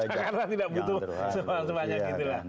cakar lah tidak butuh sebanyak itu lah